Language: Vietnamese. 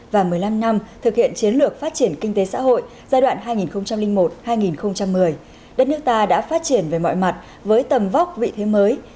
và một mươi năm năm thực hiện chiến lược phát triển kinh tế xã hội giai đoạn hai nghìn một hai nghìn một mươi đất nước ta đã phát triển về mọi mặt với tầm vóc vị thế mới